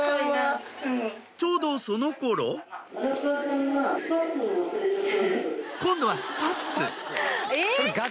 ちょうどその頃今度はスパッツえっ！